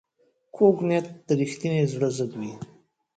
کوږ نیت د رښتیني زړه ضد وي